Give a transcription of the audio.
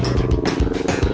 tuh rasain tuh